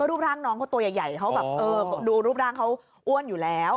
รูปร่างน้องเขาตัวใหญ่เขาแบบดูรูปร่างเขาอ้วนอยู่แล้ว